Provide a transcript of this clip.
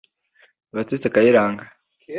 Baptitse Kayiranga